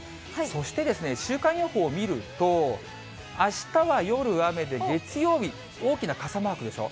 そして、週間予報を見ると、あしたは夜雨で、月曜日、大きな傘マークでしょ？